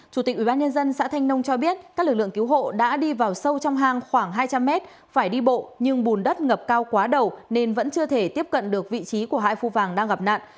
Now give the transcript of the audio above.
chủ tịch ubnd xã thanh nông cho biết các lực lượng cứu hộ đã đi vào sâu trong hang khoảng hai trăm linh mét phải đi bộ nhưng bùn đất ngập cao quá đầu nên vẫn chưa thể tiếp cận được vị trí của hai phu vàng đang gặp nạn